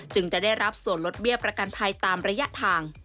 จะได้รับส่วนลดเบี้ยประกันภัยตามระยะทาง